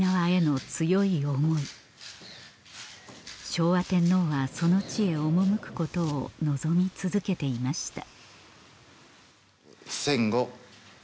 昭和天皇はその地へ赴くことを望み続けていました